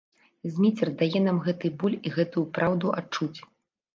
Зміцер дае нам гэты боль і гэтую праўду адчуць.